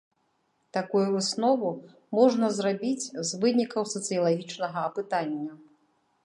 Такую выснову можна зрабіць з вынікаў сацыялагічнага апытання.